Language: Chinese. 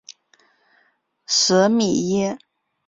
舍米耶。